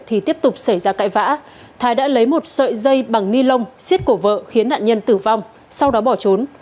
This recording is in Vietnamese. thì tiếp tục xảy ra cãi vã thái đã lấy một sợi dây bằng ni lông xiết cổ vợ khiến nạn nhân tử vong sau đó bỏ trốn